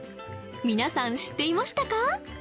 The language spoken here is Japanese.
皆さん知っていましたか？